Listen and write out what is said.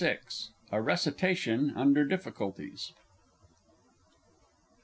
_ A Recitation Under Difficulties.